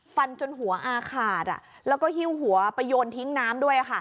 ฟันจนหัวอ่าขาดอ่ะแล้วก็ฮิ้วหัวไปโยนทิ้งน้ำด้วยอ่ะค่ะ